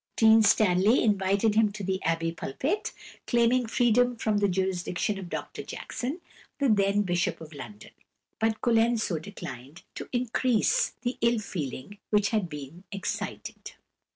Dean Stanley invited him to the Abbey pulpit, claiming freedom from the jurisdiction of Dr Jackson, the then Bishop of London; but Colenso declined to increase the ill feeling which had been excited.